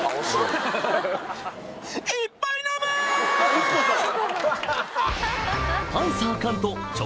ＩＫＫＯさん。